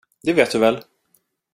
Det vet du väl?